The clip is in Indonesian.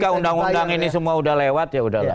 kalau undang undang ini semua udah lewat ya udahlah